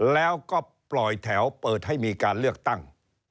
แล้วก็ปล่อยแถวเปิดให้มีการเลือกตั้ง